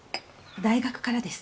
大学からです。